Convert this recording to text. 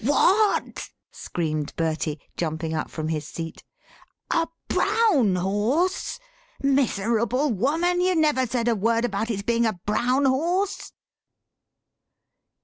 "What?" screamed Bertie, jumping up from his sea, "a brown horse! Miserable woman, you never said a word about it's being a brown horse."